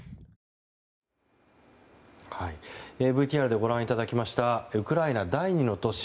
ＶＴＲでご覧いただきましたウクライナ第２の都市